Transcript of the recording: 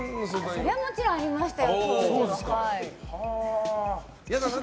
それはもちろんありましたよ